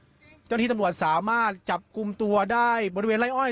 เจ้าหน้าที่ตำรวจสามารถจับกลุ่มตัวได้บริเวณไล่อ้อย